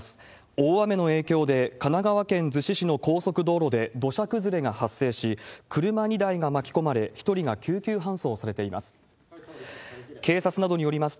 大雨の影響で、神奈川県逗子市の高速道路で土砂崩れが発生し、車２台が巻き込まれ、１人が救急搬送されています。